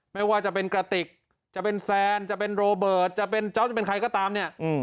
ไม่ว่าจะเป็นกระติกจะเป็นแซนจะเป็นโรเบิร์ตจะเป็นจ๊อปจะเป็นใครก็ตามเนี่ย